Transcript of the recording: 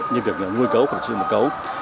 như việc nuôi gấu